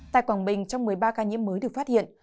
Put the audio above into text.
tại quảng bình trong một mươi ba ca nhiễm mới được phát hiện